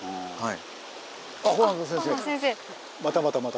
はい。